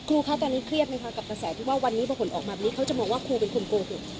คะตอนนี้เครียดไหมคะกับกระแสที่ว่าวันนี้พอผลออกมาแบบนี้เขาจะมองว่าครูเป็นคนโกหก